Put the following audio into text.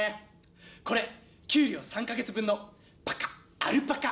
これ給料３か月分のパカっアルパカ。